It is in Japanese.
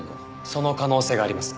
その可能性があります。